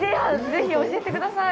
ぜひ教えてください。